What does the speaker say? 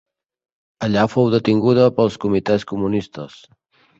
Allà fou detinguda pels comitès comunistes.